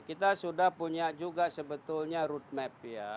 kita sudah punya juga sebetulnya root map ya